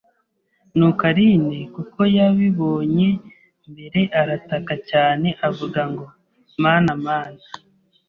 nuko Aline kuko yabibonye mbere arataka cyane avuga ngo ”Mana Mana”